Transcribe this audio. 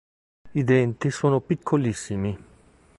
I denti sono piccolissimi.